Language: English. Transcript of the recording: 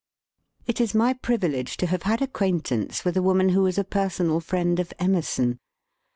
It is my privilege to have had acquaint ance with a woman who was a personal friend of Emerson.